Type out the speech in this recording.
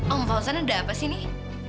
om fawzan ada apa sih nih